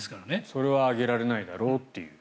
それは上げられないだろうという。